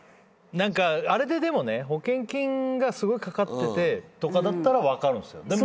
何かあれででもね保険金がすごいかかっててとかだったら分かるんですよ。